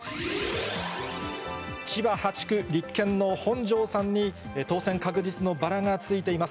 千葉８区、立憲の本庄さんに当選確実のバラがついています。